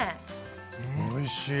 おいしい！